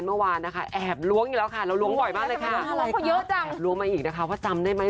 เราล้วงหว่อยมากเลยค่ะแอบล้วงมาอีกนะคะเพราะจำได้ไหม